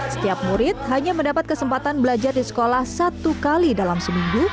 setiap murid hanya mendapat kesempatan belajar di sekolah satu kali dalam seminggu